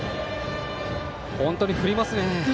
本当に振りますね。